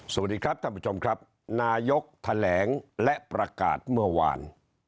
สวัสดีครับท่านผู้ชมครับนายกแถลงและประกาศเมื่อวาน